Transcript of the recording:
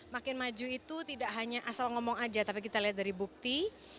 makin maju itu tidak hanya asal ngomong aja tapi kita lihat dari bukti